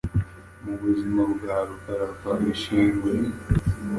Mu buzima bwa Rukara rwa Bishingwe